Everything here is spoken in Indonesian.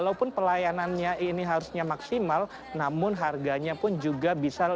tak untuk bawa hanya hal usahaya dan langsung panggil darah